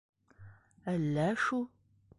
Әллә шу...